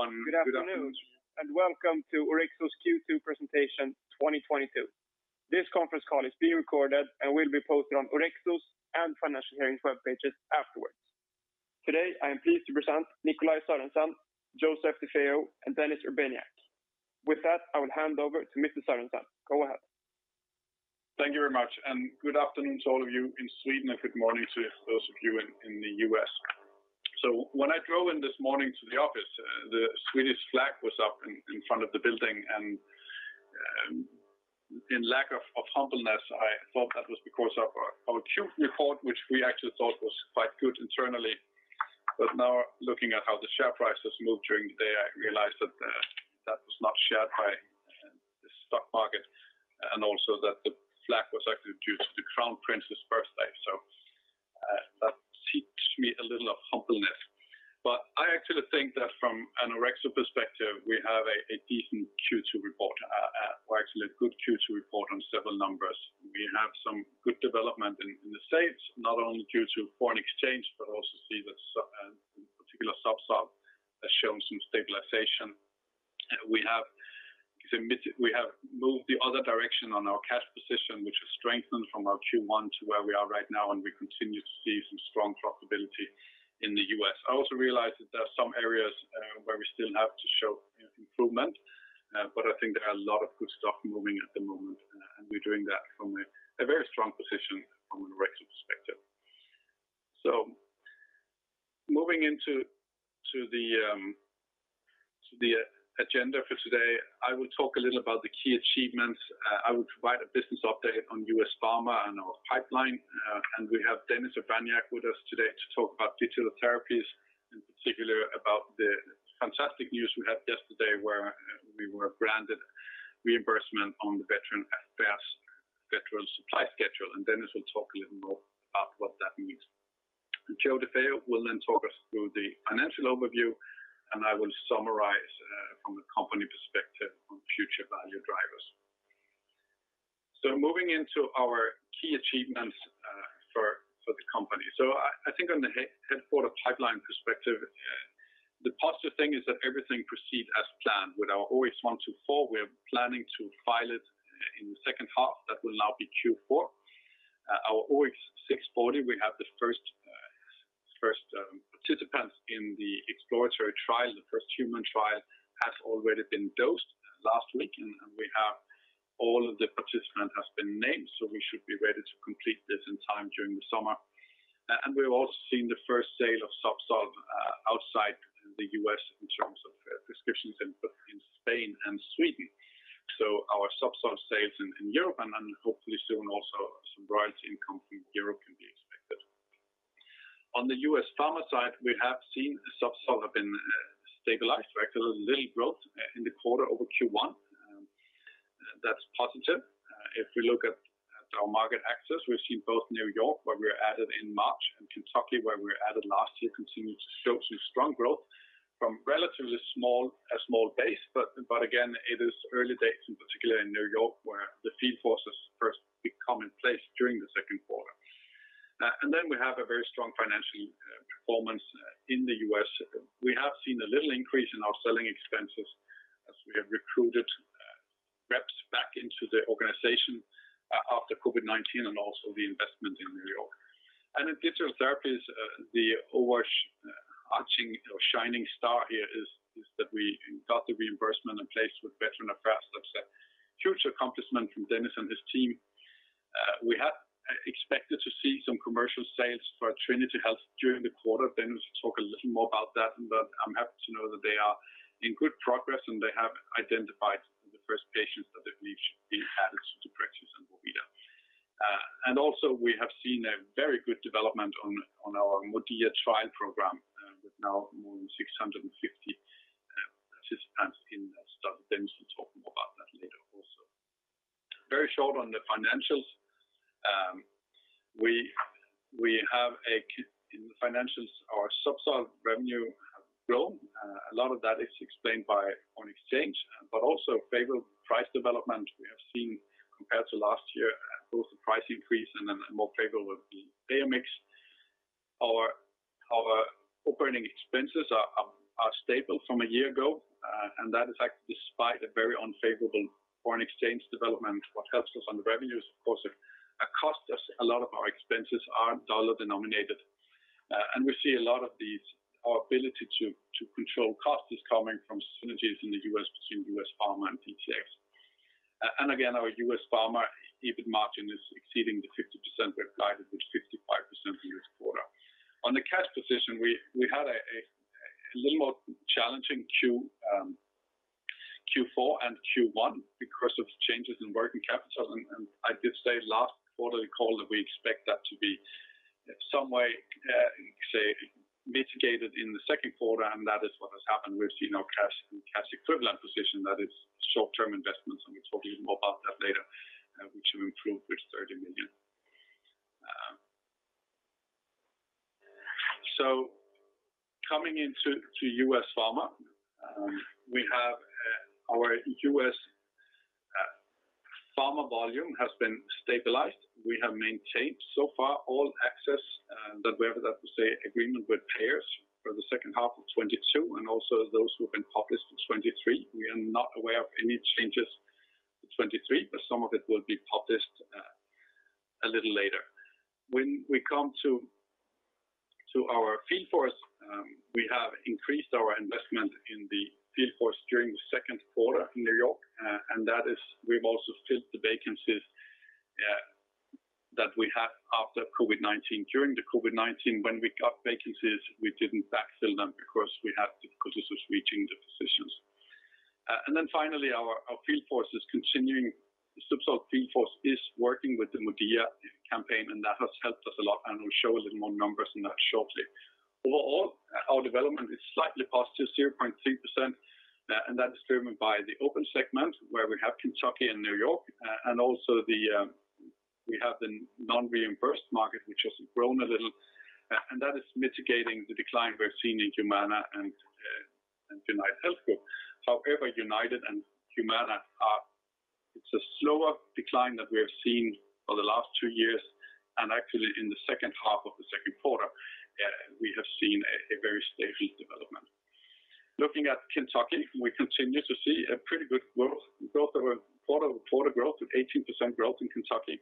Hello, everyone. Good afternoon, and welcome to Orexo's Q2 Presentation 2022. This conference call is being recorded and will be posted on Orexo's and Financial Hearings' webpages afterwards. Today, I am pleased to present Nikolaj Sørensen, Joseph DeFeo, and Dennis Urbaniak. With that, I will hand over to Mr. Sørensen. Go ahead. Thank you very much, and good afternoon to all of you in Sweden, and good morning to those of you in the U.S. When I drove in this morning to the office, the Swedish flag was up in front of the building, and in lack of humbleness, I thought that was because of our Q2 report, which we actually thought was quite good internally. Now looking at how the share price has moved during the day, I realized that that was not shared by the stock market, and also that the flag was actually due to the crown prince's birthday. That teach me a little of humbleness. I actually think that from an Orexo perspective, we have a decent Q2 report, or actually a good Q2 report on several numbers. We have some good development in the States, not only due to foreign exchange, but we also see that some particular Zubsolv has shown some stabilization. We have moved the other direction on our cash position, which has strengthened from our Q1 to where we are right now, and we continue to see some strong profitability in the U.S. I also realized that there are some areas where we still have to show improvement, but I think there are a lot of good stuff moving at the moment, and we're doing that from a very strong position from an Orexo perspective. Moving into the agenda for today, I will talk a little about the key achievements. I will provide a business update on U.S. Pharma and our pipeline, and we have Dennis Urbaniak with us today to talk about Digital Therapies, in particular about the fantastic news we had yesterday where we were granted reimbursement on the Veterans Affairs Federal Supply Schedule. Dennis will talk a little more about what that means. Joe DeFeo will then talk us through the financial overview, and I will summarize from a company perspective on future value drivers. Moving into our key achievements for the company. I think on the headquarters pipeline perspective, the positive thing is that everything proceed as planned. With our OX-124, we are planning to file it in the second half. That will now be Q4. Our OX-640, we have the first participants in the exploratory trial. The first human trial has already been dosed last week, and we have all of the participants have been named, so we should be ready to complete this in time during the summer. We've also seen the first sale of Zubsolv outside the U.S. in terms of prescriptions in Spain and Sweden. Our Zubsolv sales in Europe and hopefully soon also some royalty income from Europe can be expected. On the U.S. Pharma side, we have seen Zubsolv has been stabilized. We actually saw a little growth in the quarter over Q1. That's positive. If we look at our market access, we've seen both New York, where we were added in March, and Kentucky, where we were added last year, continue to show some strong growth from relatively small base. Again, it is early days, in particular in New York, where the field forces first become in place during the second quarter. We have a very strong financial performance in the U.S. We have seen a little increase in our selling expenses as we have recruited reps back into the organization after COVID-19 and also the investment in New York. In Digital Therapies, the overarching or shining star here is that we got the reimbursement in place with Veterans Affairs. That's a huge accomplishment from Dennis and his team. We have expected to see some commercial sales for Trinity Health during the quarter. Dennis will talk a little more about that, but I'm happy to know that they are in good progress, and they have identified the first patients that they believe should be added to Deprexis and MODIA. We have seen a very good development on our MODIA trial program, with now more than 650 participants in that study. Dennis will talk more about that later also. Very short on the financials. In the financials, our Zubsolv revenue have grown. A lot of that is explained by foreign exchange, but also favorable price development we have seen compared to last year. Both the price increase and then more favorable with the payer mix. Our operating expenses are stable from a year ago, and that is actually despite a very unfavorable foreign exchange development. What helps us on the revenue is, of course. It costs us. A lot of our expenses are dollar-denominated. We see a lot of these, our ability to control costs is coming from synergies in the U.S. between U.S. Pharma and DTX. Again, our U.S. Pharma EBIT margin is exceeding the 50% we applied, with 55% for this quarter. On the cash position, we had a little more challenging Q4 and Q1 because of changes in working capital. I did say last quarterly call that we expect that to be somewhat mitigated in the second quarter, and that is what has happened. We've seen our cash and cash equivalent position, that is short-term investments, and we'll talk even more about that later, which improved with 30 million. Coming into U.S. Pharma, we have our volume has been stabilized. We have maintained so far all access that we have, that is agreement with payers for the second half of 2022 and also those who have been published in 2023. We are not aware of any changes in 2023, but some of it will be published a little later. When we come to our field force, we have increased our investment in the field force during the second quarter in New York. That is, we've also filled the vacancies that we had after COVID-19. During the COVID-19, when we got vacancies, we didn't backfill them because we had difficulties reaching the physicians. Finally, our field force is continuing. The Zubsolv field force is working with the MODIA campaign, and that has helped us a lot, and we'll show a little more numbers on that shortly. Overall, our development is slightly positive, 0.2%, and that is driven by the open segment where we have Kentucky and New York. Also, we have the non-reimbursed market which has grown a little, and that is mitigating the decline we're seeing in Humana and UnitedHealthcare. However, United and Humana are, it's a slower decline than we have seen for the last two years, and actually in the second half of the second quarter, we have seen a very stable development. Looking at Kentucky, we continue to see a pretty good growth. Quarter growth of 18% in Kentucky,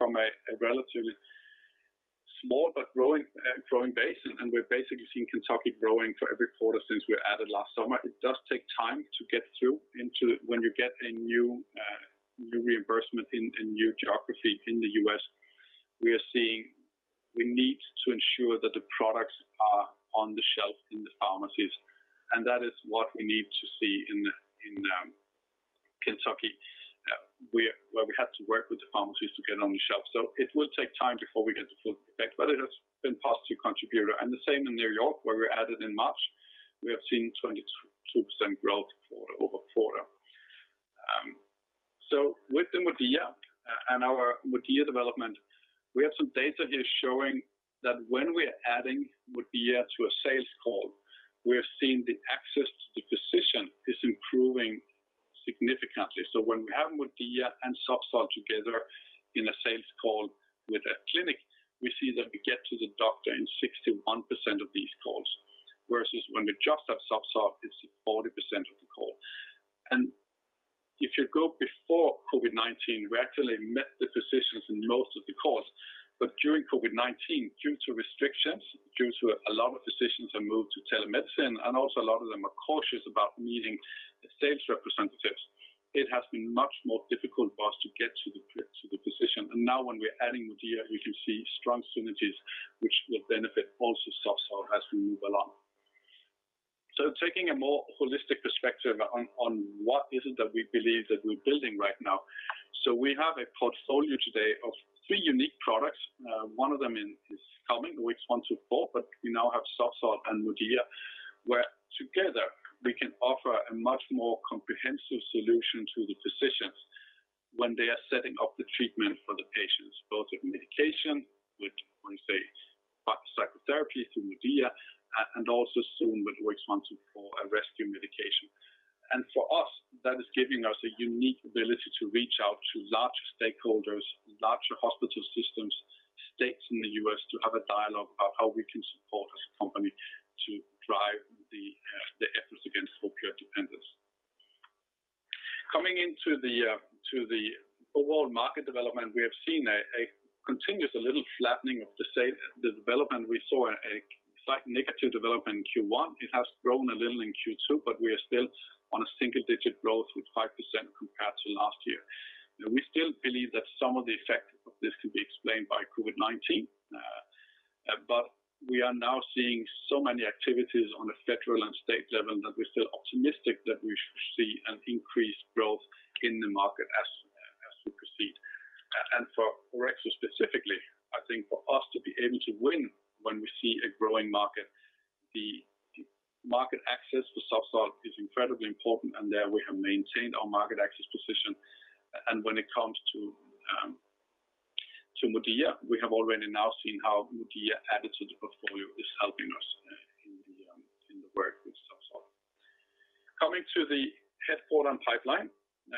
from a relatively small but growing base. We're basically seeing Kentucky growing for every quarter since we added last summer. It does take time to get through into when you get a new reimbursement in new geography in the U.S. We are seeing we need to ensure that the products are on the shelf in the pharmacies, and that is what we need to see in Kentucky, where we have to work with the pharmacies to get on the shelf. It will take time before we get the full effect, but it has been positive contributor. The same in New York, where we added in March, we have seen 22% growth quarter-over-quarter. With the MODIA and our MODIA development, we have some data here showing that when we're adding MODIA to a sales call, we're seeing the access to physician is improving significantly. When we have MODIA and Zubsolv together in a sales call with a clinic, we see that we get to the doctor in 61% of these calls, versus when we just have Zubsolv, it's 40% of the call. If you go before COVID-19, we actually met the physicians in most of the calls. During COVID-19, due to restrictions, due to a lot of physicians have moved to telemedicine and also a lot of them are cautious about meeting the sales representatives, it has been much more difficult for us to get to the physician. Now when we're adding MODIA, we can see strong synergies which will benefit also Zubsolv as we move along. Taking a more holistic perspective on what is it that we believe that we're building right now. We have a portfolio today of three unique products. One of them is coming, OX124, but we now have Zubsolv and MODIA, where together we can offer a much more comprehensive solution to the physicians when they are setting up the treatment for the patients, both with medication, with, say, psychotherapy through MODIA, and also soon with OX124, a rescue medication. For us, that is giving us a unique ability to reach out to larger stakeholders, larger hospital systems, states in the US to have a dialogue about how we can support as a company to drive the efforts against opioid dependence. Coming into the overall market development, we have seen a continuous, a little flattening of the sales development. We saw a slight negative development in Q1. It has grown a little in Q2, but we are still on a single-digit growth with 5% compared to last year. Now we still believe that some of the effect of this could be explained by COVID-19. We are now seeing so many activities on the federal and state level that we're still optimistic that we should see an increased growth in the market as we proceed. For Orexo specifically, I think for us to be able to win when we see a growing market, the market access for Zubsolv is incredibly important, and there we have maintained our market access position. When it comes to MODIA, we have already now seen how MODIA added to the portfolio is helping us in the work with Zubsolv. Coming to the R&D portfolio and pipeline, it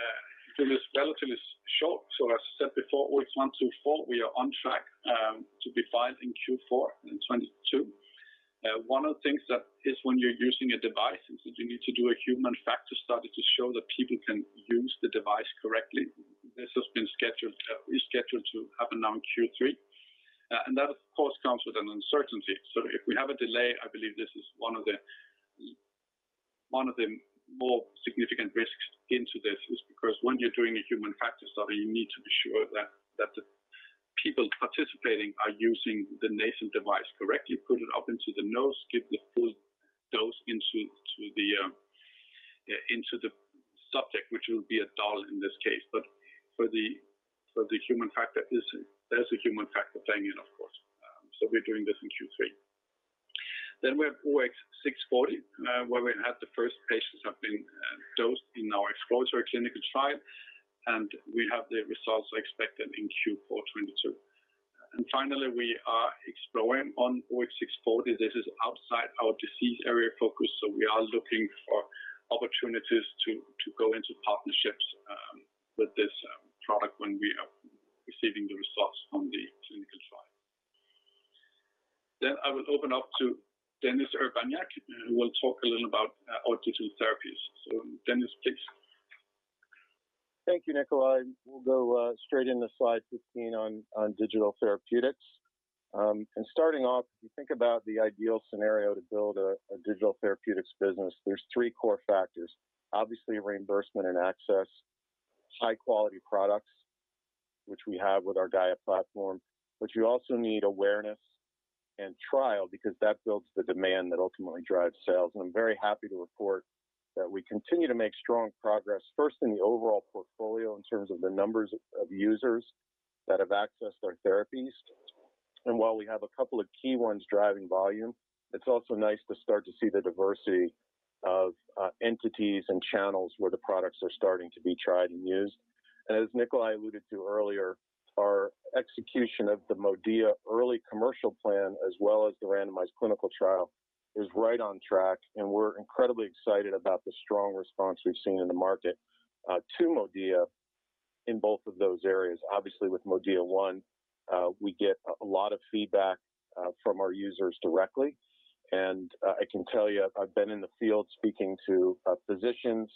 is relatively short. As I said before, OX124, we are on track to be filed in Q4 in 2022. One of the things that is when you're using a device is that you need to do a human factors study to show that people can use the device correctly. This has been scheduled, rescheduled to happen now in Q3. And that of course comes with an uncertainty. If we have a delay, I believe this is one of the more significant risks into this is because when you're doing a human factor study, you need to be sure that the people participating are using the nasal device correctly, put it up into the nose, give the full dose into the subject, which will be a doll in this case. But for the human factor, there's a human factor playing in, of course. We're doing this in Q3. We have OX640, where we had the first patients have been dosed in our exploratory clinical trial, and we have the results expected in Q4 2022. Finally, we are exploring on OX640. This is outside our disease area focus, so we are looking for opportunities to go into partnerships with this product when we are receiving the results from the clinical trial. I will open up to Dennis Urbaniak, who will talk a little about our digital therapies. Dennis, please. Thank you, Nikolaj. We'll go straight into slide 15 on digital therapeutics. Starting off, if you think about the ideal scenario to build a digital therapeutics business, there's three core factors. Obviously, reimbursement and access, high-quality products, which we have with our GAIA platform, but you also need awareness and trial because that builds the demand that ultimately drives sales. I'm very happy to report that we continue to make strong progress, first in the overall portfolio in terms of the numbers of users that have accessed our therapies. While we have a couple of key ones driving volume, it's also nice to start to see the diversity of entities and channels where the products are starting to be tried and used. As Nikolaj alluded to earlier, our execution of the Modia early commercial plan as well as the randomized clinical trial is right on track, and we're incredibly excited about the strong response we've seen in the market to Modia in both of those areas. Obviously, with Modia one, we get a lot of feedback from our users directly. I can tell you I've been in the field speaking to physicians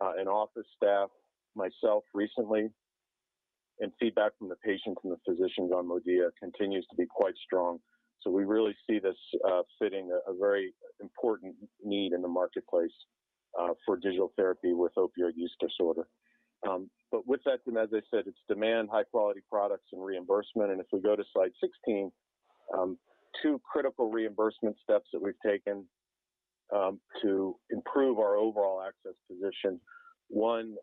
and office staff myself recently, and feedback from the patients and the physicians on Modia continues to be quite strong. We really see this fitting a very important need in the marketplace for digital therapy with opioid use disorder. With that, and as I said, it's demand, high-quality products and reimbursement. If we go to slide 16, two critical reimbursement steps that we've taken to improve our overall access position. One,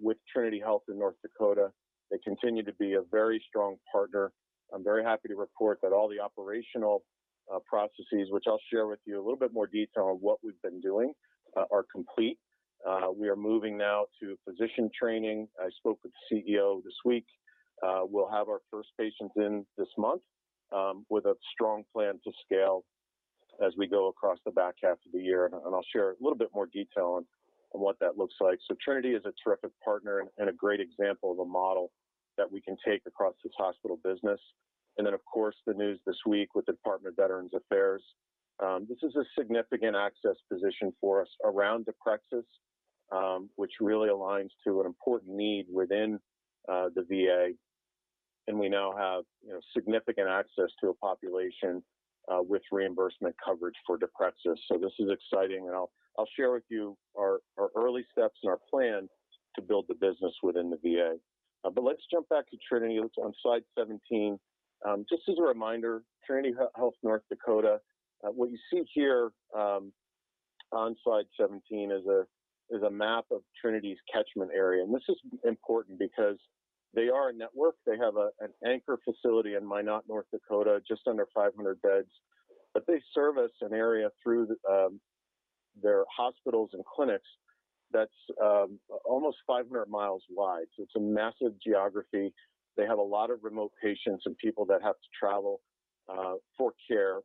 with Trinity Health in North Dakota. They continue to be a very strong partner. I'm very happy to report that all the operational processes, which I'll share with you a little bit more detail on what we've been doing, are complete. We are moving now to physician training. I spoke with the CEO this week. We'll have our first patient in this month, with a strong plan to scale as we go across the back half of the year, and I'll share a little bit more detail on what that looks like. Trinity is a terrific partner and a great example of a model that we can take across this hospital business. Of course, the news this week with the Department of Veterans Affairs. This is a significant access position for us around deprexis, which really aligns to an important need within the VA. We now have significant access to a population with reimbursement coverage for Deprexis. This is exciting, and I'll share with you our early steps and our plan to build the business within the VA. But let's jump back to Trinity. Let's go to slide 17. Just as a reminder, Trinity Health North Dakota, what you see here on slide 17 is a map of Trinity's catchment area. This is important because they are a network. They have an anchor facility in Minot, North Dakota, just under 500 beds. They service an area through their hospitals and clinics that's almost 500 miles wide. It's a massive geography. They have a lot of remote patients and people that have to travel for care.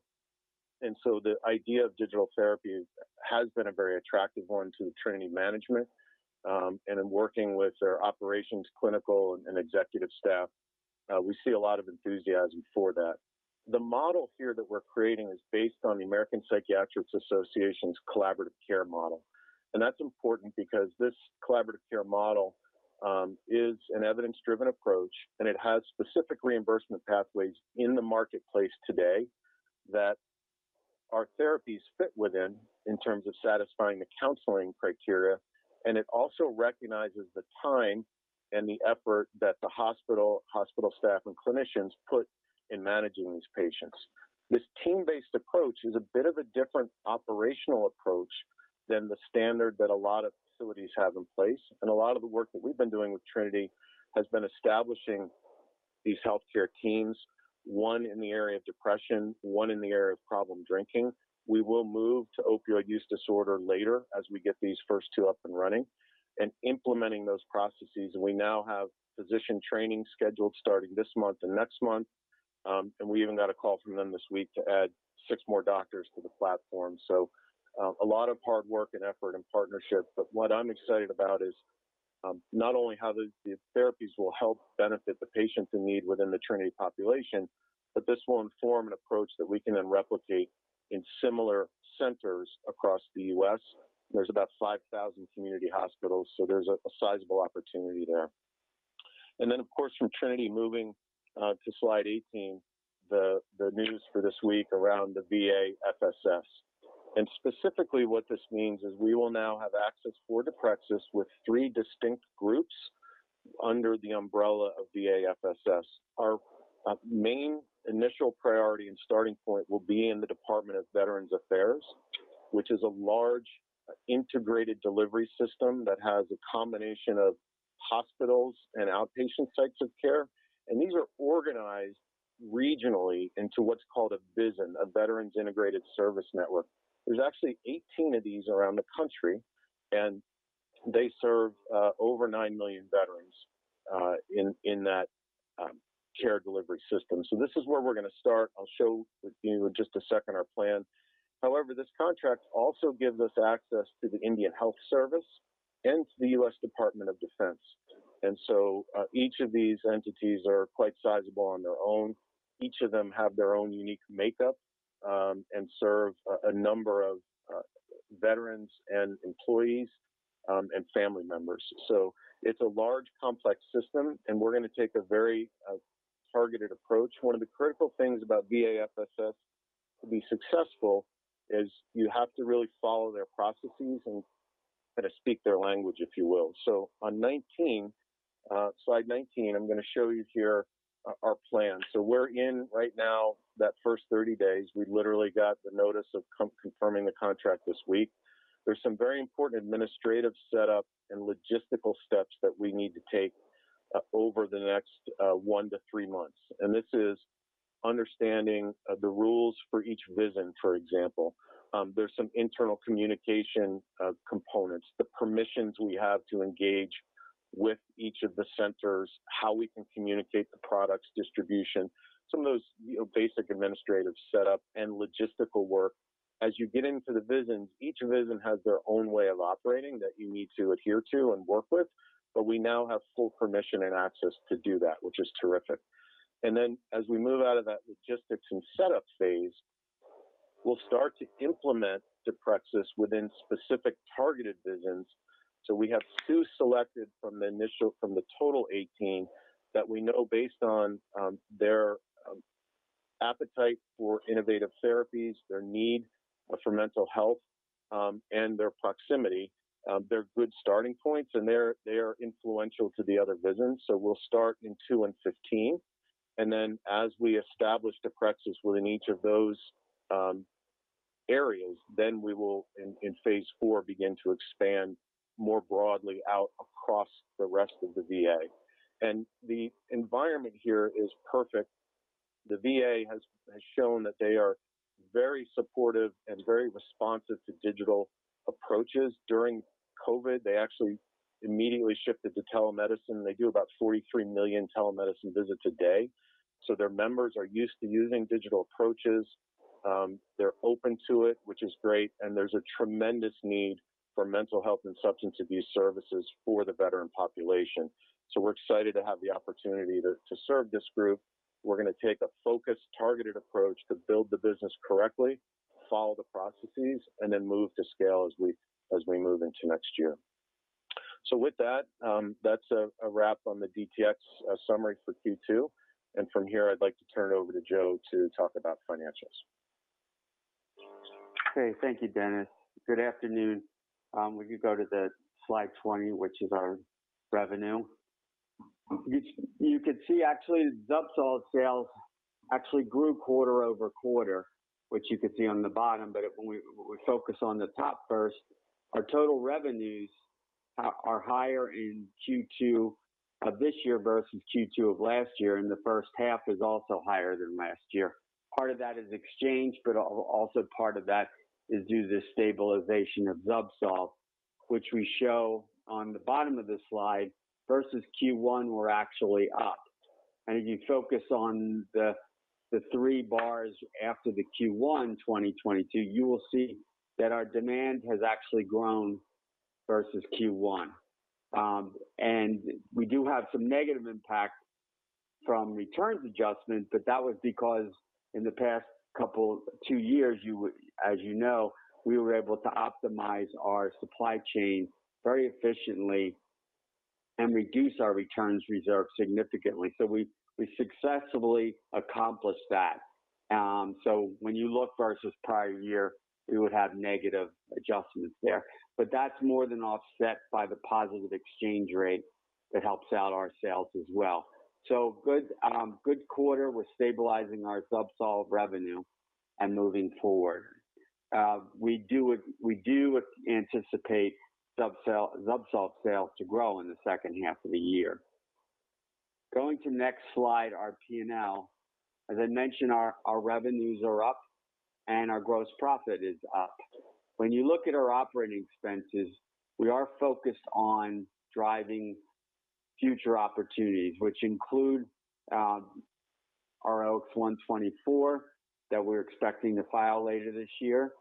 The idea of digital therapy has been a very attractive one to Trinity Health management. In working with their operations, clinical, and executive staff, we see a lot of enthusiasm for that. The model here that we're creating is based on the American Psychiatric Association's collaborative care model. That's important because this collaborative care model is an evidence-driven approach, and it has specific reimbursement pathways in the marketplace today that our therapies fit within in terms of satisfying the counseling criteria. It also recognizes the time and the effort that the hospital staff and clinicians put in managing these patients. This team-based approach is a bit of a different operational approach than the standard that a lot of facilities have in place. A lot of the work that we've been doing with Trinity has been establishing these healthcare teams, one in the area of depression, one in the area of problem drinking. We will move to opioid use disorder later as we get these first two up and running and implementing those processes. We now have physician training scheduled starting this month and next month. We even got a call from them this week to add six more doctors to the platform. A lot of hard work and effort and partnership. What I'm excited about is not only how the therapies will help benefit the patients in need within the Trinity Health population, but this will inform an approach that we can then replicate in similar centers across the U.S. There's about 5,000 community hospitals, so there's a sizable opportunity there. Then, of course, from Trinity Health moving to slide 18, the news for this week around the VA FSS. Specifically what this means is we will now have access for deprexis with three distinct groups under the umbrella of VA FSS. Our main initial priority and starting point will be in the Department of Veterans Affairs, which is a large integrated delivery system that has a combination of hospitals and outpatient sites of care. These are organized regionally into what's called a VISN, a Veterans Integrated Service Network. There's actually 18 of these around the country, and they serve over 9 million veterans in that care delivery system. This is where we're gonna start. I'll show you in just a second our plan. However, this contract also gives us access to the Indian Health Service and to the U.S. Department of Defense. Each of these entities are quite sizable on their own. Each of them have their own unique makeup, and serve a number of veterans and employees, and family members. It's a large, complex system, and we're gonna take a very targeted approach. One of the critical things about VA FSS to be successful is you have to really follow their processes and kinda speak their language, if you will. On 19, slide 19, I'm gonna show you here our plan. We're in right now that first 30 days. We literally got the notice of confirming the contract this week. There's some very important administrative setup and logistical steps that we need to take over the next one to three months, and this is understanding the rules for each VISN, for example. There's some internal communication components, the permissions we have to engage with each of the centers, how we can communicate the products distribution, some of those, you know, basic administrative setup and logistical work. As you get into the VISNs, each VISN has their own way of operating that you need to adhere to and work with, but we now have full permission and access to do that, which is terrific. As we move out of that logistics and setup phase, we'll start to implement deprexis within specific targeted VISNs. We have two selected from the total 18 that we know based on their appetite for innovative therapies, their need for mental health, and their proximity. They're good starting points, and they are influential to the other VISNs, so we'll start in two and 15. Then as we establish deprexis within each of those areas, we will in phase four begin to expand more broadly out across the rest of the VA. The environment here is perfect. The VA has shown that they are very supportive and very responsive to digital approaches. During COVID, they actually immediately shifted to telemedicine. They do about 43 million telemedicine visits a day, so their members are used to using digital approaches. They're open to it, which is great, and there's a tremendous need for mental health and substance abuse services for the veteran population. We're excited to have the opportunity to serve this group. We're gonna take a focused, targeted approach to build the business correctly, follow the processes, and then move to scale as we move into next year. With that's a wrap on the DTX summary for Q2. From here, I'd like to turn it over to Joe to talk about financials. Okay. Thank you, Dennis. Good afternoon. Would you go to slide 20, which is our revenue? You could see actually Zubsolv sales actually grew quarter-over-quarter, which you can see on the bottom. If we focus on the top first, our total revenues are higher in Q2 of this year versus Q2 of last year, and the first half is also higher than last year. Part of that is exchange, but also part of that is due to the stabilization of Zubsolv, which we show on the bottom of this slide versus Q1 we're actually up. If you focus on the three bars after the Q1 2022, you will see that our demand has actually grown versus Q1. We do have some negative impact from returns adjustment, but that was because in the past couple Two years, as you know, we were able to optimize our supply chain very efficiently and reduce our returns reserve significantly. We successfully accomplished that. When you look versus prior year, we would have negative adjustments there. That's more than offset by the positive exchange rate that helps out our sales as well. Good quarter. We're stabilizing our Zubsolv revenue and moving forward. We anticipate Zubsolv sales to grow in the second half of the year. Going to next slide, our P&L. As I mentioned, our revenues are up and our gross profit is up. When you look at our operating expenses, we are focused on driving future opportunities, which include our OX124 that we're expecting to file later this year,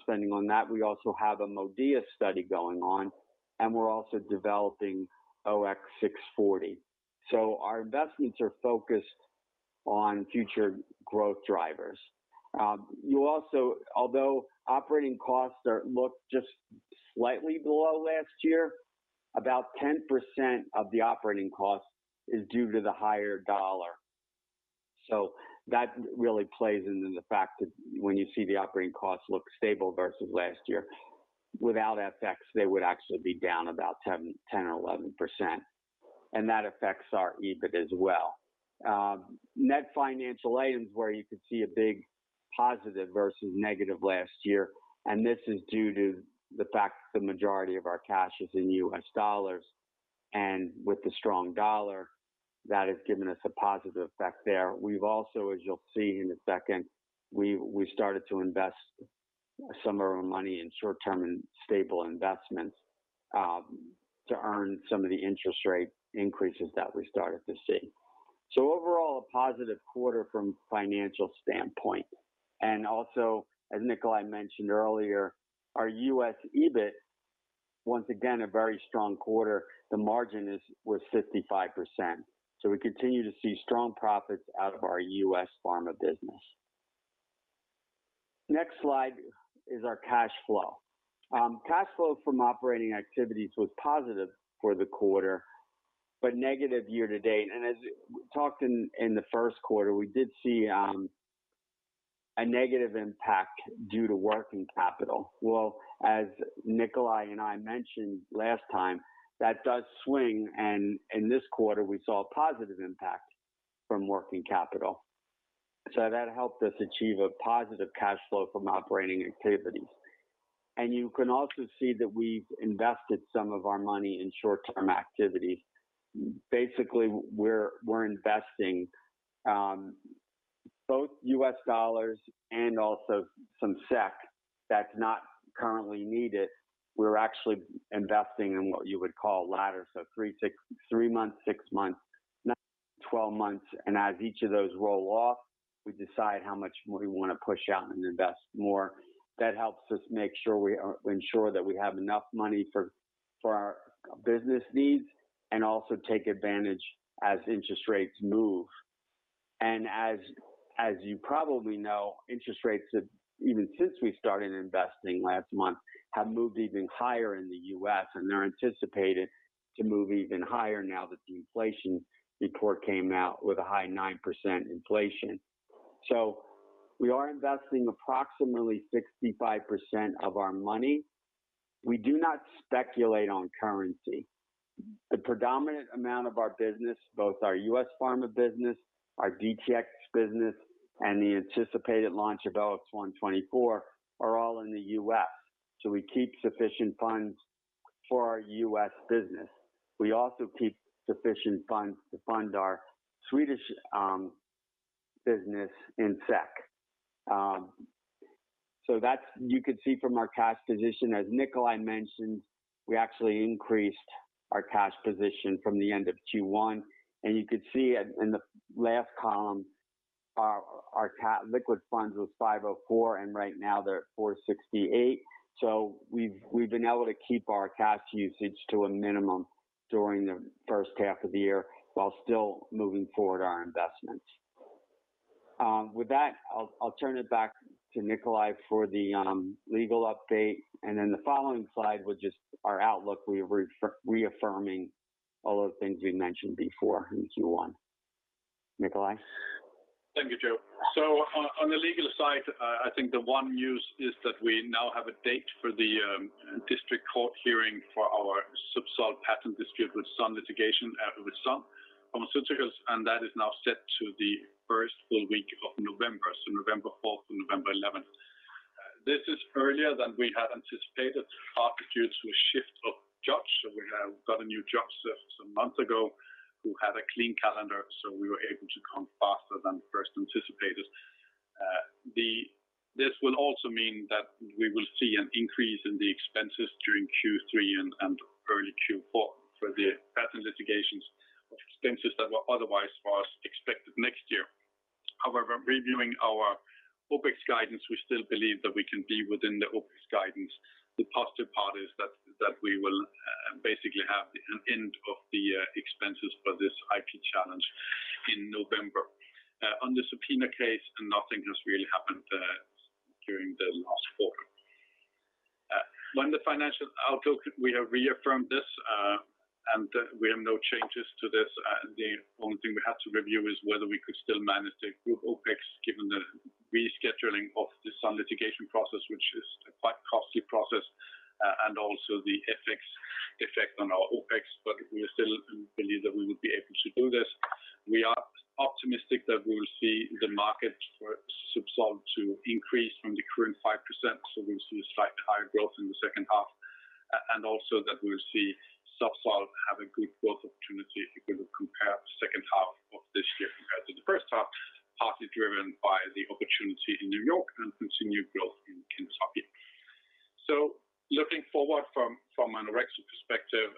spending on that. We also have a MODIA study going on, and we're also developing OX640. Our investments are focused on future growth drivers. Although operating costs look just slightly below last year, about 10% of the operating cost is due to the higher dollar. That really plays into the fact that when you see the operating costs look stable versus last year, without FX, they would actually be down about 10% or 11%, and that affects our EBIT as well. Net financial items where you could see a big positive versus negative last year, and this is due to the fact that the majority of our cash is in U.S. dollars. With the strong dollar, that has given us a positive effect there. We've also, as you'll see in a second, started to invest some of our money in short-term and stable investments to earn some of the interest rate increases that we started to see. Overall, a positive quarter from financial standpoint. Also, as Nikolaj mentioned earlier, our U.S. EBIT once again a very strong quarter. The margin was 55%. We continue to see strong profits out of our U.S. pharma business. Next slide is our cash flow. Cash flow from operating activities was positive for the quarter, but negative year to date. As we talked in the first quarter, we did see a negative impact due to working capital. Well, as Nikolaj and I mentioned last time, that does swing, and in this quarter we saw a positive impact from working capital. That helped us achieve a positive cash flow from operating activities. You can also see that we've invested some of our money in short-term investments. Basically, we're investing both U.S. dollars and also some SEK that's not currently needed. We're actually investing in what you would call ladders, so three months, six months, nine, 12 months. As each of those roll off, we decide how much more we want to push out and invest more. That helps us make sure we ensure that we have enough money for our business needs and also take advantage as interest rates move. As you probably know, interest rates have, even since we started investing last month, moved even higher in the U.S., and they're anticipated to move even higher now that the inflation report came out with a high 9% inflation. We are investing approximately 65% of our money. We do not speculate on currency. The predominant amount of our business, both our U.S. pharma business, our DTx business, and the anticipated launch of OX124, are all in the U.S. We keep sufficient funds for our U.S. business. We also keep sufficient funds to fund our Swedish business in SEK. You could see from our cash position, as Nikolaj mentioned, we actually increased our cash position from the end of Q1. You could see in the last column our liquid funds was 504, and right now they're at 468. We've been able to keep our cash usage to a minimum during the first half of the year while still moving forward our investments. With that, I'll turn it back to Nikolaj for the legal update. The following slide was just our outlook. We're reaffirming all of the things we mentioned before in Q1. Nikolaj. Thank you, Joe. On the legal side, I think the one news is that we now have a date for the district court hearing for our Zubsolv patent dispute with Sun Pharmaceutical Industries, with Sun Pharmaceuticals, and that is now set to the first full week of November, so November 4th to November 11th. This is earlier than we had anticipated partly due to a shift of judge. We have got a new judge just a month ago who had a clean calendar, so we were able to come faster than first anticipated. This will also mean that we will see an increase in the expenses during Q3 and early Q4 for the patent litigations expenses that were otherwise was expected next year. However, reviewing our OpEx guidance, we still believe that we can be within the OpEx guidance. The positive part is that we will basically have an end of the expenses for this IP challenge in November. On the subpoena case, nothing has really happened during the last quarter. On the financial outlook, we have reaffirmed this and we have no changes to this. The only thing we have to review is whether we could still manage the group OpEx, given the rescheduling of the Sun litigation process, which is a quite costly process, and also the FX effect on our OpEx. We still believe that we will be able to do this. We are optimistic that we will see the market for Zubsolv to increase from the current 5%, so we'll see a slightly higher growth in the second half. Also that we'll see Zubsolv have a good growth opportunity if we will compare the second half of this year compared to the first half, partly driven by the opportunity in New York and continued growth in Kentucky. Looking forward from an Orexo perspective,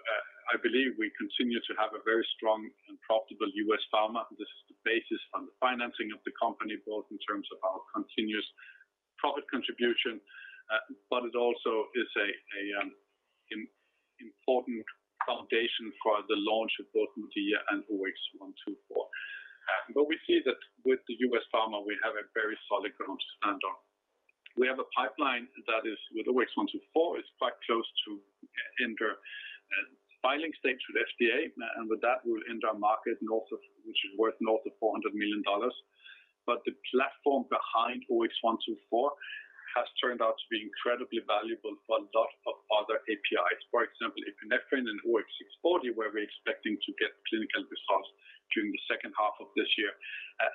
I believe we continue to have a very strong and profitable U.S. pharma. This is the basis on the financing of the company, both in terms of our continuous profit contribution, but it also is an important foundation for the launch of both MODIA and OX124. We see that with the U.S. pharma, we have a very solid ground to stand on. We have a pipeline that is, with OX124, quite close to enter filing stage with FDA. With that will enter a market north of. which is worth north of $400 million. The platform behind OX124 has turned out to be incredibly valuable for a lot of other APIs. For example, epinephrine and OX640, where we're expecting to get clinical results during the second half of this year.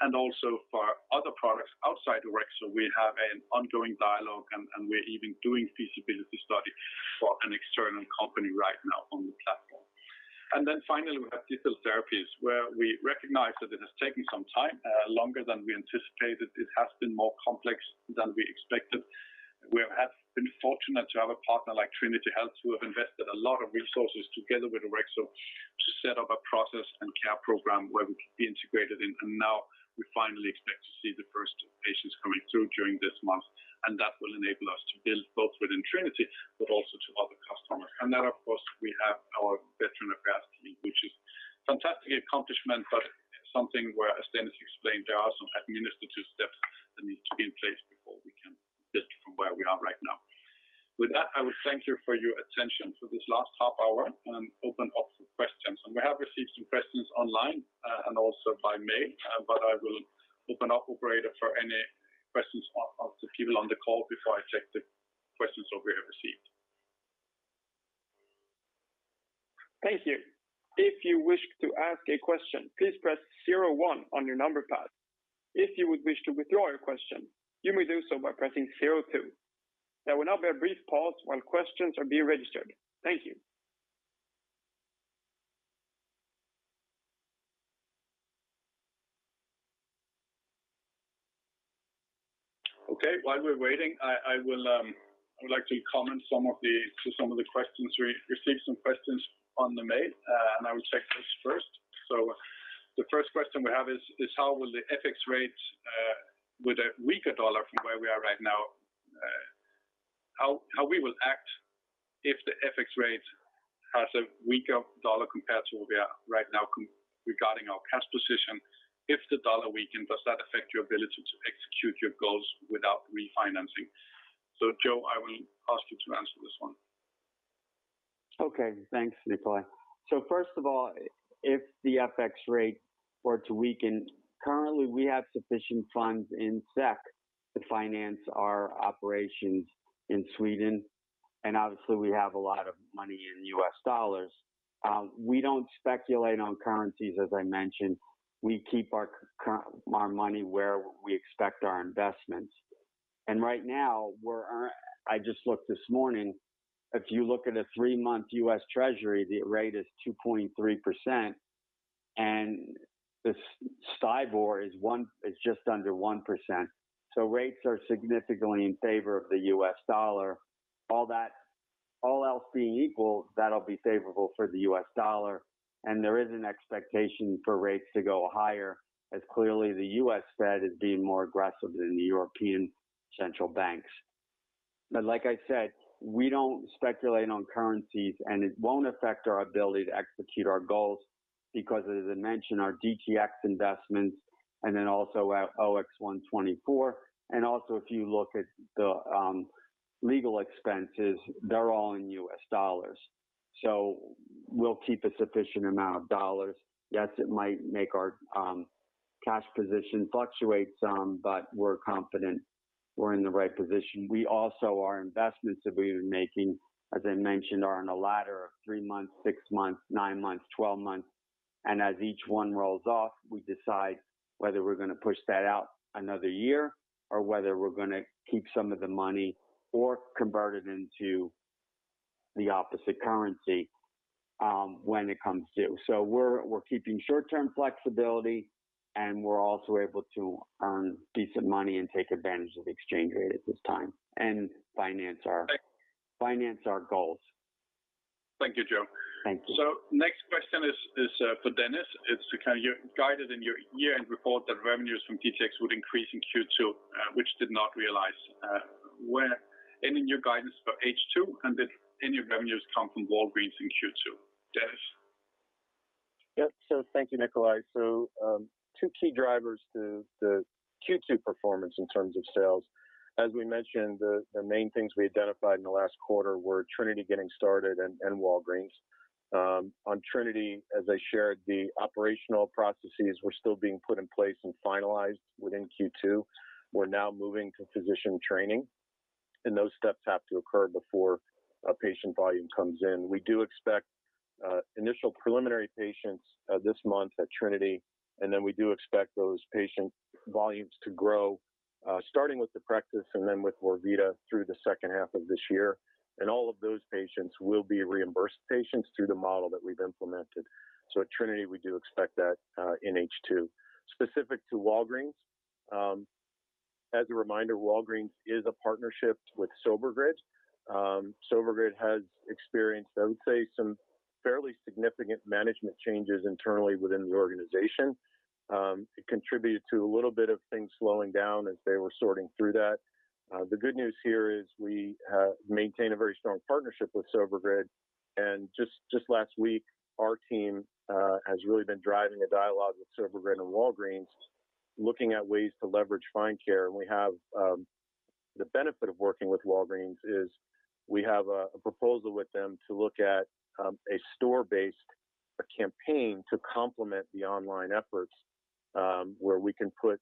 And also for other products outside Orexo, we have an ongoing dialogue and we're even doing feasibility study for an external company right now on the platform. Finally, we have digital therapies, where we recognize that it has taken some time, longer than we anticipated. It has been more complex than we expected. We have been fortunate to have a partner like Trinity Health who have invested a lot of resources together with Orexo to set up a process and care program where we can be integrated in. Now we finally expect to see the first patients coming through during this month, and that will enable us to build both within Trinity Health but also to other customers. Then of course, we have our VA opportunity, which is fantastic accomplishment, but something where, as Dennis explained, there are some administrative steps that need to be in place before we can build from where we are right now. With that, I would thank you for your attention for this last half hour and open up for questions. We have received some questions online, and also by mail, but I will open up, operator, for any questions from the people on the call before I check the questions that we have received. Thank you. If you wish to ask a question, please press zero-one on your number pad. If you would wish to withdraw your question, you may do so by pressing zero-two. There will now be a brief pause while questions are being registered. Thank you. Okay. While we're waiting, I would like to comment on some of the questions. We received some questions by mail, and I will check those first. The first question we have is how will the FX rates with a weaker dollar from where we are right now, how we will act if the FX rate has a weaker dollar compared to where we are right now. Regarding our cash position, if the dollar weaken, does that affect your ability to execute your goals without refinancing? Joe, I will ask you to answer this one. Okay. Thanks, Nikolaj. First of all, if the FX rate were to weaken, currently we have sufficient funds in SEK to finance our operations in Sweden, and obviously we have a lot of money in U.S. dollars. We don't speculate on currencies, as I mentioned. We keep our money where we expect our investments. Right now, I just looked this morning. If you look at a three-month U.S. Treasury, the rate is 2.3%, and the STIBOR is just under 1%. Rates are significantly in favor of the U.S. dollar, and there is an expectation for rates to go higher, as clearly the Federal Reserve is being more aggressive than the European central banks. Like I said, we don't speculate on currencies, and it won't affect our ability to execute our goals because as I mentioned, our DTx investments and then also our OX124, and also if you look at the legal expenses, they're all in U.S. dollars. We'll keep a sufficient amount of dollars. Yes, it might make our cash position fluctuate some, but we're confident we're in the right position. We also our investments that we've been making, as I mentioned, are on a ladder of three months, six months, nine months, 12 months. As each one rolls off, we decide whether we're gonna push that out another year or whether we're gonna keep some of the money or convert it into the opposite currency when it comes due. We're keeping short-term flexibility, and we're also able to earn decent money and take advantage of the exchange rate at this time and finance our Thank- Financing our goals. Thank you, Joseph DeFeo. Thank you. Next question is for Dennis. You guided in your year-end report that revenues from DTx would increase in Q2, which did not realize. Any new guidance for H2, and did any revenues come from Walgreens in Q2? Dennis. Yeah. Thank you, Nikolaj. Two key drivers to the Q2 performance in terms of sales. As we mentioned, the main things we identified in the last quarter were Trinity getting started and Walgreens. On Trinity, as I shared, the operational processes were still being put in place and finalized within Q2. We're now moving to physician training, and those steps have to occur before a patient volume comes in. We do expect initial preliminary patients this month at Trinity, and then we do expect those patient volumes to grow starting with the practice and then with Vorvida through the second half of this year. All of those patients will be reimbursed patients through the model that we've implemented. At Trinity, we do expect that in H2. Specific to Walgreens, as a reminder, Walgreens is a partnership with SilverCloud. SilverCloud has experienced, I would say, some fairly significant management changes internally within the organization. It contributed to a little bit of things slowing down as they were sorting through that. The good news here is we maintain a very strong partnership with SilverCloud. Just last week, our team has really been driving a dialogue with SilverCloud and Walgreens, looking at ways to leverage Find Care. We have. The benefit of working with Walgreens is we have a proposal with them to look at a store-based campaign to complement the online efforts. Where we can put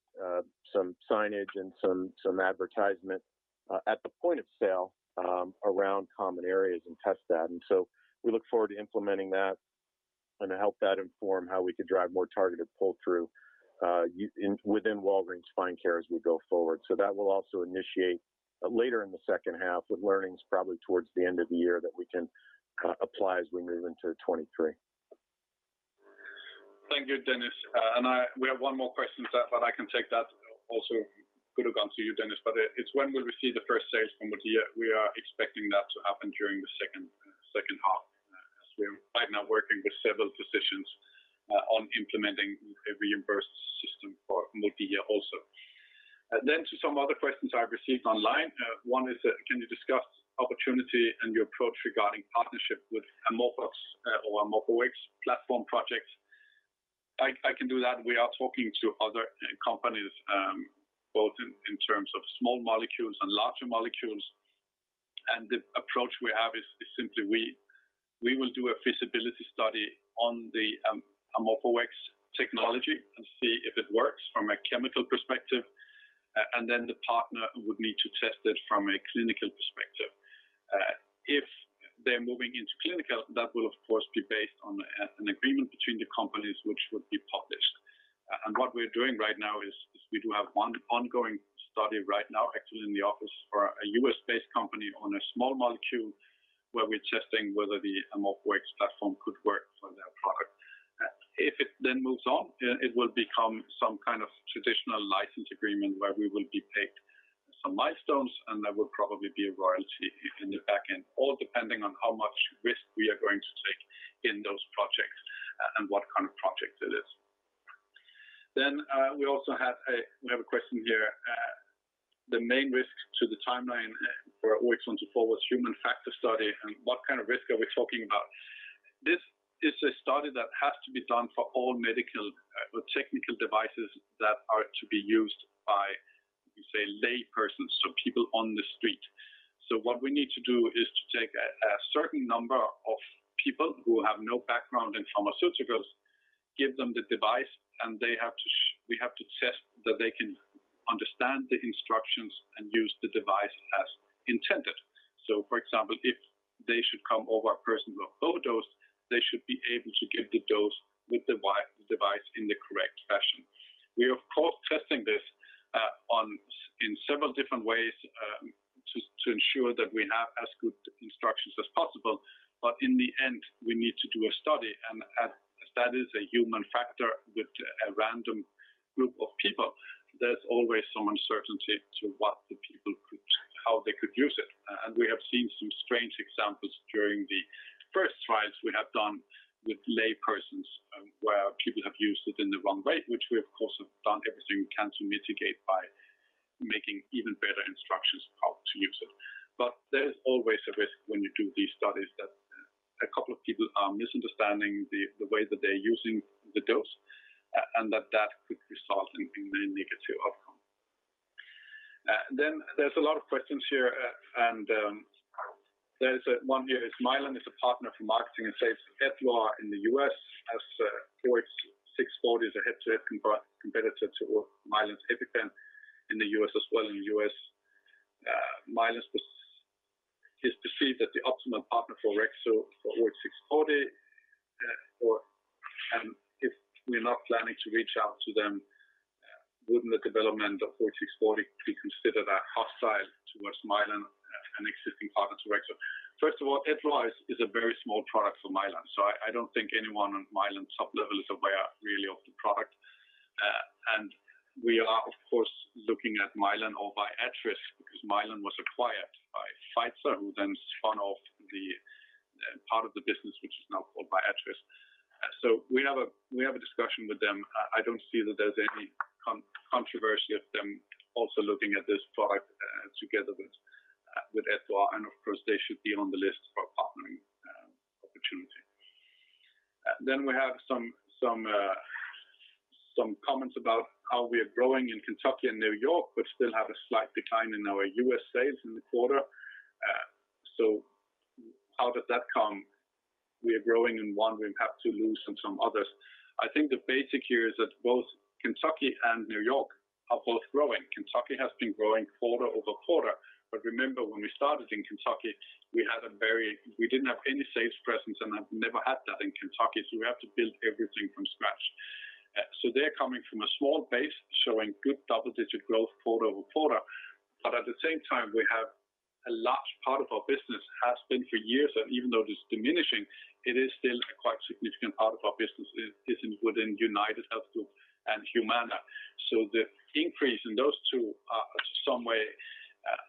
some signage and some advertisement at the point of sale around common areas and test that. We look forward to implementing that and help that inform how we could drive more targeted pull-through within Walgreens Find Care as we go forward. That will also initiate later in the second half with learnings probably towards the end of the year that we can apply as we move into 2023. Thank you, Dennis. We have one more question but I can take that also could have gone to you, Dennis. It's when we'll receive the first sales from MODIA? We are expecting that to happen during the second half. As we are right now working with several physicians on implementing a reimbursed system for MODIA also. To some other questions I received online. One is that can you discuss opportunity and your approach regarding partnership with AmorphOX or AmorphOX platform projects? I can do that. We are talking to other companies both in terms of small molecules and larger molecules. The approach we have is simply we will do a feasibility study on the AmorphOX technology and see if it works from a chemical perspective. The partner would need to test it from a clinical perspective. If they're moving into clinical, that will of course be based on an agreement between the companies which would be published. What we're doing right now is we do have one ongoing study right now actually in the office for a U.S.-based company on a small molecule where we're testing whether the AmorphOX platform could work for their product. If it then moves on, it will become some kind of traditional license agreement where we will be paid some milestones, and there will probably be a royalty in the back end. All depending on how much risk we are going to take in those projects and what kind of project it is. We have a question here. The main risk to the timeline for OX124 was human factors study, and what kind of risk are we talking about? This is a study that has to be done for all medical technical devices that are to be used by, you say, laypersons, so people on the street. What we need to do is to take a certain number of people who have no background in pharmaceuticals, give them the device, and we have to test that they can understand the instructions and use the device as intended. For example, if they should come over a person who overdosed, they should be able to give the dose with the device in the correct fashion. We are of course testing this in several different ways to ensure that we have as good instructions as possible. In the end, we need to do a study and as that is a human factor with a random group of people, there's always some uncertainty to how they could use it. We have seen some strange examples during the first trials we have done with laypersons, where people have used it in the wrong way, which we of course have done everything we can to mitigate by making even better instructions how to use it. There is always a risk when you do these studies that a couple of people are misunderstanding the way that they're using the dose, and that could result in a negative outcome. Then there's a lot of questions here and there's one here. If Mylan is a partner for marketing and sales for Edluar in the U.S., as OX640 is a head-to-head competitor to Mylan's EpiPen in the U.S. as well. In the U.S., Mylan is perceived as the optimum partner for Orexo for OX640. If we're not planning to reach out to them, wouldn't the development of OX640 be considered a hostile towards Mylan, an existing partner to Orexo? First of all, Edluar is a very small product for Mylan, so I don't think anyone on Mylan top level is aware really of the product. We are of course looking at Mylan or Viatris because Mylan was acquired by Pfizer, who then spun off the part of the business which is now called Viatris. So we have a discussion with them. I don't see that there's any controversy of them also looking at this product together with Edluar. Of course, they should be on the list for a partnering opportunity. Then we have some comments about how we are growing in Kentucky and New York, but still have a slight decline in our U.S. sales in the quarter. How does that come? We are growing in one, we have to lose in some others. I think the basics here is that both Kentucky and New York are both growing. Kentucky has been growing quarter-over-quarter. Remember when we started in Kentucky, we didn't have any sales presence, and I've never had that in Kentucky. We have to build everything from scratch. They're coming from a small base showing good double-digit growth quarter-over-quarter. At the same time, we have a large part of our business has been for years, and even though it is diminishing, it is still a quite significant part of our business is within UnitedHealth Group and Humana. The increase in those two are some way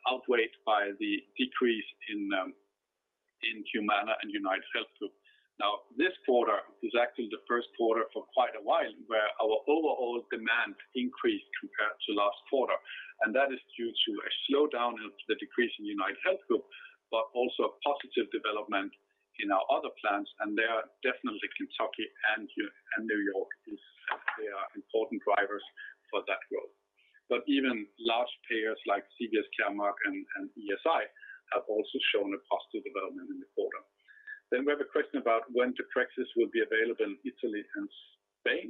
outweighed by the decrease in Humana and UnitedHealth Group. Now, this quarter is actually the first quarter for quite a while where our overall demand increased compared to last quarter. That is due to a slowdown in the decrease in UnitedHealth Group, but also a positive development in our other plans, and there are definitely Kentucky and New York, as they are important drivers for that growth. Even large payers like CVS Caremark and Express Scripts have also shown a positive development in the quarter. We have a question about when deprexis will be available in Italy and Spain.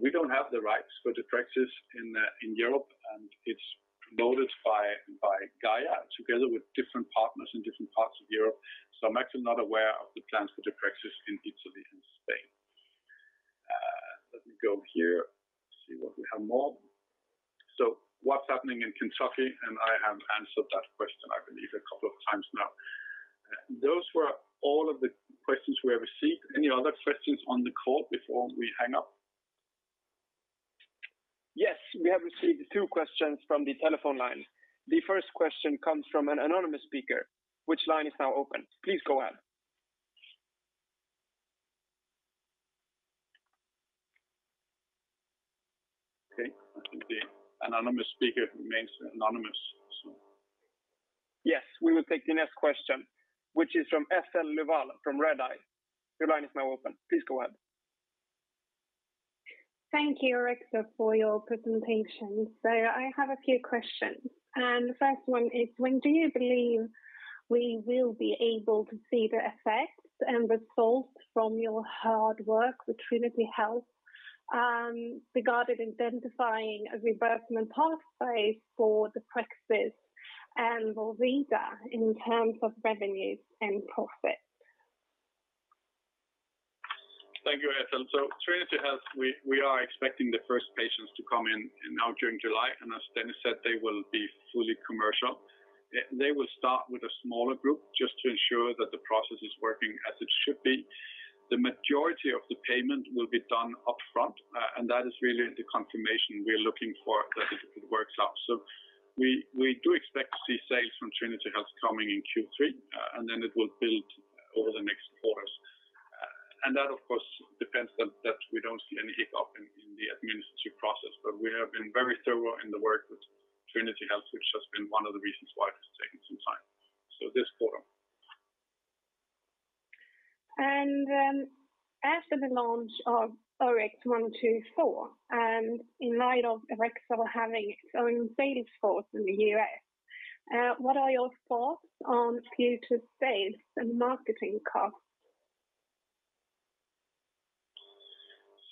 We don't have the rights for deprexis in Europe, and it's promoted by GAIA together with different partners in different parts of Europe. I'm actually not aware of the plans for deprexis in Italy and Spain. Let me go here, see what we have more. What's happening in Kentucky? I have answered that question, I believe a couple of times now. Those were all of the questions we have received. Any other questions on the call before we hang up? Yes, we have received two questions from the telephone line. The first question comes from an anonymous speaker. Which line is now open? Please go ahead. Okay. The anonymous speaker remains anonymous, so. Yes, we will take the next question, which is from Filip Einarsson from Redeye. Your line is now open. Please go ahead. Thank you, Orexo, for your presentation. I have a few questions, and the first one is, when do you believe we will be able to see the effects and results from your hard work with Trinity Health, regarding identifying a reimbursement pathway for the practices and Vorvida in terms of revenues and profits? Thank you, Filip. Trinity Health, we are expecting the first patients to come in now during July, and as Dennis said, they will be fully commercial. They will start with a smaller group just to ensure that the process is working as it should be. The majority of the payment will be done up front, and that is really the confirmation we're looking for that it works out. We do expect to see sales from Trinity Health coming in Q3, and then it will build over the next quarters. That of course depends that we don't see any hiccup in the administrative process. We have been very thorough in the work with Trinity Health, which has been one of the reasons why it has taken some time. This quarter. After the launch of OX124, and in light of Orexo having its own sales force in the U.S., what are your thoughts on future sales and marketing costs?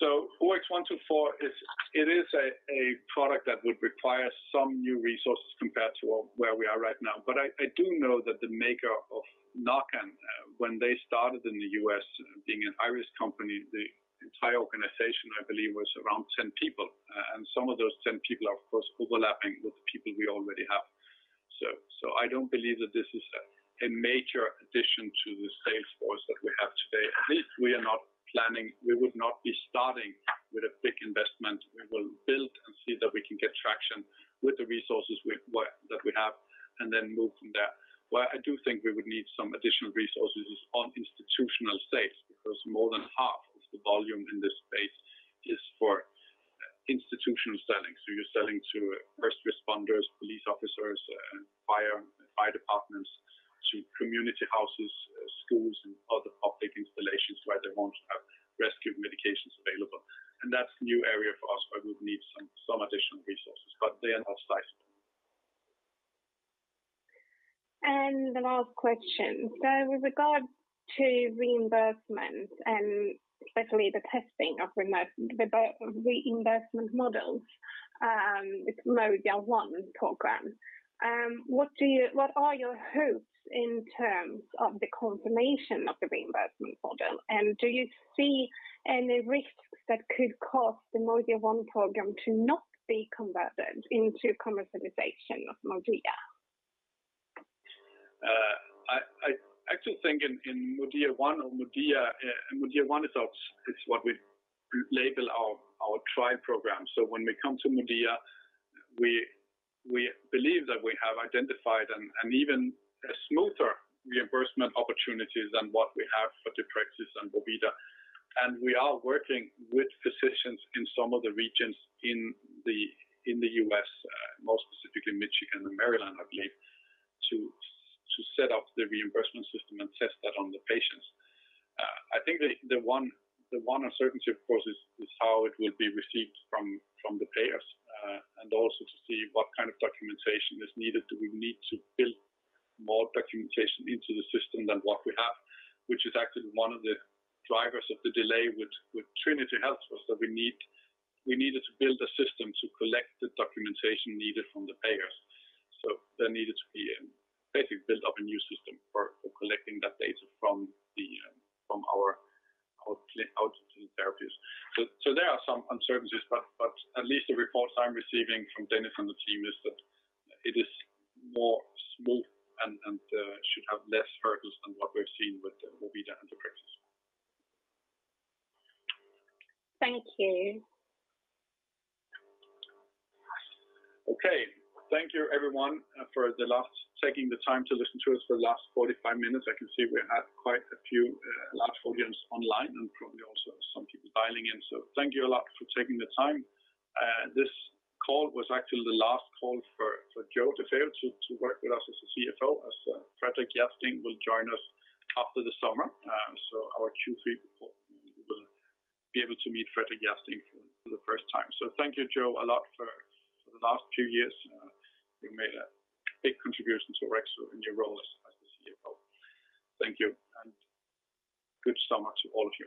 OX124 is. It is a product that would require some new resources compared to where we are right now. I do know that the maker of Narcan, when they started in the U.S. being an Irish company, the entire organization, I believe, was around 10 people. And some of those 10 people are of course overlapping with people we already have. I don't believe that this is a major addition to the sales force that we have today. At least we are not planning. We would not be starting with a big investment. We will build and see that we can get traction with the resources that we have, and then move from there. Where I do think we would need some additional resources is on institutional sales because more than half of the volume in this space is for institutional selling. You're selling to first responders, police officers, fire departments, to community houses, schools and other public installations where they want to have rescue medications available. That's a new area for us where we'd need some additional resources, but they are not sized. The last question. With regard to reimbursement, and especially the testing of reimbursement models, with MODIA one program, what are your hopes in terms of the confirmation of the reimbursement model? Do you see any risks that could cause the MODIA one program to not be converted into commercialization of MODIA? I actually think Modia one is what we label our trial program. When we come to MODIA, we believe that we have identified an even smoother reimbursement opportunity than what we have for deprexis and Vorvida. We are working with physicians in some of the regions in the U.S., most specifically Michigan and Maryland, I believe, to set up the reimbursement system and test that on the patients. I think the one uncertainty, of course, is how it will be received from the payers, and also to see what kind of documentation is needed. Do we need to build more documentation into the system than what we have? Which is actually one of the drivers of the delay with Trinity Health was that we needed to build a system to collect the documentation needed from the payers. There needed to be basically build up a new system for collecting that data from our outpatient therapies. There are some uncertainties, but at least the reports I'm receiving from Dennis and the team is that it is more smooth and should have less hurdles than what we've seen with Vorvida and deprexis. Thank you. Thank you everyone for taking the time to listen to us for the last 45 minutes. I can see we had quite a few large audience online and probably also some people dialing in. Thank you a lot for taking the time. This call was actually the last call for Joe DeFeo to work with us as CFO as Fredrik Järrsten will join us after the summer. Our Q3 report, we will be able to meet Fredrik Järrsten for the first time. Thank you, Joe, a lot for the last few years. You made a big contribution to Orexo in your role as the CFO. Thank you, and good summer to all of you.